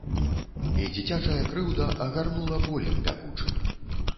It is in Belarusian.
І дзіцячая крыўда агарнула болем пякучым.